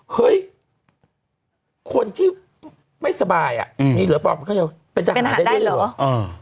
เฮ้ยคนที่ไม่สบายอ่ะมีเหลือปอดมันก็จะเป็นทหารได้เล่นเลยเหรอ